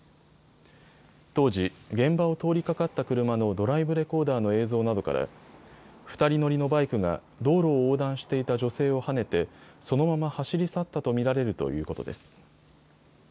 当時、現場を通りかかった車のドライブレコーダーの映像などから２人乗りのバイクが道路を横断していた女性をはねてそのまま走り去ったと見られるということです。